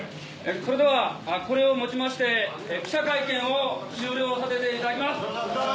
・それではこれをもちまして記者会見を終了させていただきます